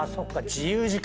自由時間。